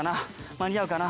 間に合うかな？